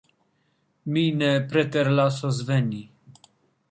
Mi ne preterlasos veni!